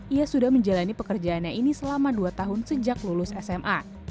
ia sudah menjalani pekerjaannya ini selama dua tahun sejak lulus sma